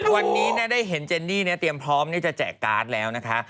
วันนี้ได้เห็นเจนนี่เตรียมพร้อมที่จะแจกการ์ดแล้วนะคะ